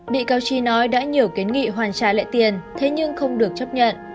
bị cáo trí nói đã nhiều kiến nghị hoàn trả lại tiền thế nhưng không được chấp nhận